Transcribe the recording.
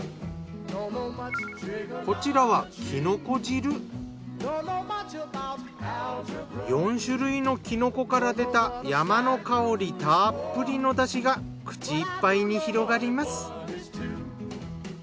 こちらは４種類のきのこから出た山の香りたっぷりのだしが口いっぱいに広がります。